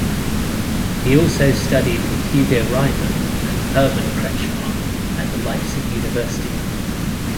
He also studied with Hugo Riemann and Hermann Kretzschmar at the Leipzig University.